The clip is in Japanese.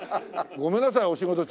ごめんなさいお仕事中。